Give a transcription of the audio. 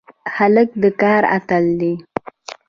هلک د کار اتل دی.